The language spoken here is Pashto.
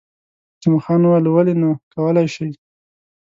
جمعه خان وویل، ولې نه، کولای شئ.